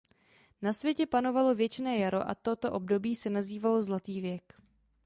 Na světě panovalo věčné jaro a toto období se nazývalo zlatý věk.